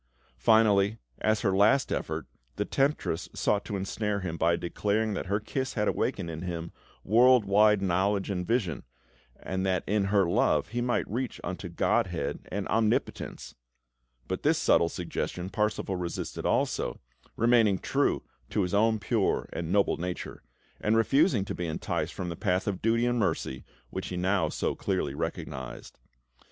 Finally, as her last effort, the temptress sought to ensnare him by declaring that her kiss had awakened in him world wide knowledge and vision, and that in her love he might reach unto Godhead and Omnipotence; but this subtle suggestion Parsifal resisted also, remaining true to his own pure and noble nature, and refusing to be enticed from the path of duty and mercy which he now so clearly recognised.